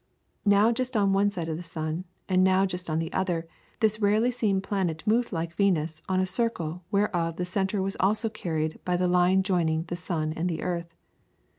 Now just on one side of the sun, and now just on the other, this rarely seen planet moved like Venus on a circle whereof the centre was also carried by the line joining the sun and the earth.